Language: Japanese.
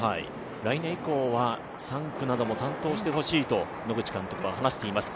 来年以降は３区なども担当してほしいと、野口監督は話しています。